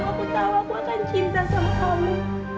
aku tahu aku akan cinta sama kamu